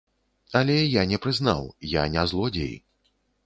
Але я не прызнаў, я не злодзей.